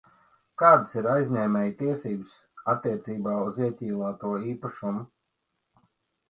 Kādas ir aizņēmēja tiesības attiecībā uz ieķīlāto īpašumu?